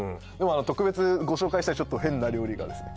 特別ご紹介したいちょっと変な料理がですね